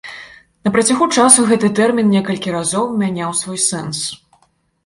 На працягу часу гэты тэрмін некалькі разоў мяняў свой сэнс.